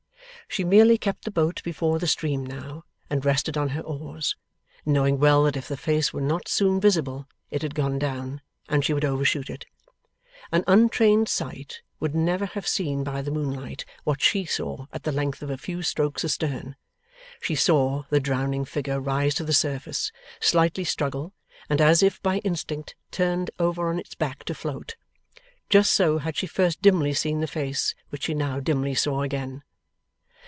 She merely kept the boat before the stream now, and rested on her oars, knowing well that if the face were not soon visible, it had gone down, and she would overshoot it. An untrained sight would never have seen by the moonlight what she saw at the length of a few strokes astern. She saw the drowning figure rise to the surface, slightly struggle, and as if by instinct turn over on its back to float. Just so had she first dimly seen the face which she now dimly saw again.